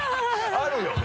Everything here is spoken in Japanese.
あるよね。